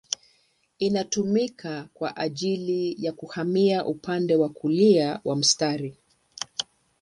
Inatumika kwa ajili ya kuhamia upande wa kulia mwa mstari.